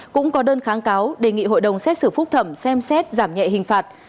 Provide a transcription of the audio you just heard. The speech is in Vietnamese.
cũng có đơn kháng cáo đề nghị hội đồng xét xử phúc thẩm xem xét giảm nhẹ hình phạt